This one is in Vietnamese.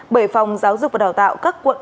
bởi phòng giáo dục và đào tạo các quận